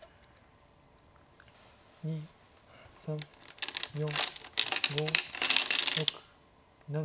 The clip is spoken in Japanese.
２３４５６７。